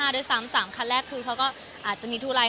ด้วยซ้ำ๓คันแรกคือเขาก็อาจจะมีทุลาย